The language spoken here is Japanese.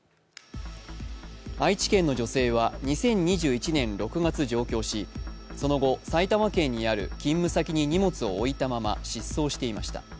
愛知県の女性は２０２１年６月上京しその後、埼玉県にある勤務先に荷物を置いたまま失踪していました。